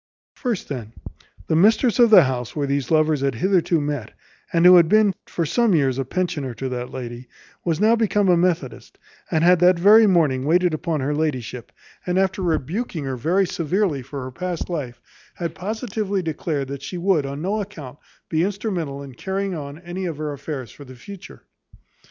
First, then, the mistress of the house where these lovers had hitherto met, and who had been for some years a pensioner to that lady, was now become a methodist, and had that very morning waited upon her ladyship, and after rebuking her very severely for her past life, had positively declared that she would, on no account, be instrumental in carrying on any of her affairs for the future.